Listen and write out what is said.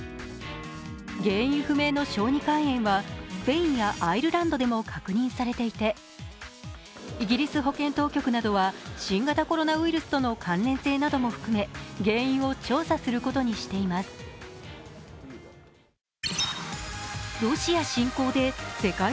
原因不明の小児肝炎はスペインやアイルランドでも確認されていてイギリス保健当局などは新型コロナウイルスとの関連性なども含め原因を調査することにしています。